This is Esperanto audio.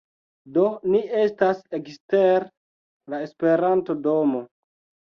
Do, ni estas ekster la Esperanto-domo